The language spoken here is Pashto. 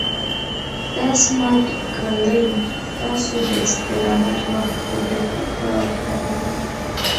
دا سمارټ ګړۍ ستاسو د استراحت وخت په دقیق ډول ښکاره کوي.